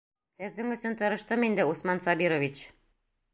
Һеҙҙең өсөн тырыштым инде, Усман Сабирович.